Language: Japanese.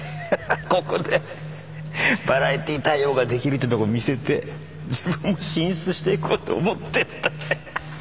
ここでバラエティー対応ができるってとこ見せて自分も進出していこうと思ってんだぜ